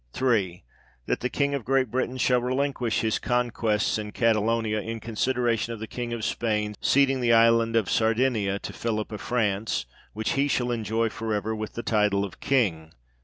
3. That the King of Great Britain shall relinquish his conquests in Catalonia, in consideration of the King of Spain's ceding the island of Sardinia 3 to Philip of France, which he shall enjoy for ever, with the title of King.